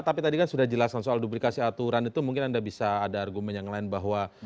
tapi tadi kan sudah jelaskan soal duplikasi aturan itu mungkin anda bisa ada argumen yang lain bahwa